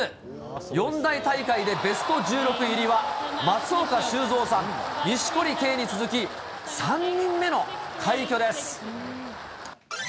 四大大会でベスト１６入りは松岡修造さん、錦織圭に続き、３人目の快挙です。